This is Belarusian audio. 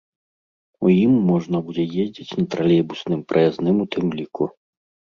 У ім можна будзе ездзіць на тралейбусным праязным у тым ліку.